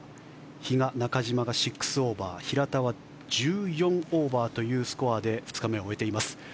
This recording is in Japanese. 比嘉、中島が６オーバー平田は１４オーバーというスコアで２日目を終えています。